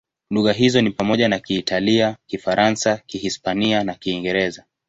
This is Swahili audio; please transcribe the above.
Lugha hizo ni pamoja na Kiitalia, Kifaransa, Kihispania na Kiingereza.